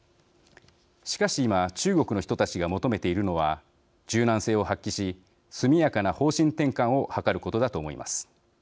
しかし今、中国の人たちが求めているのは柔軟性を発揮し速やかな方針転換を図ることだと思います。